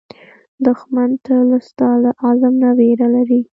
دښمن تل ستا له عزم نه وېره لري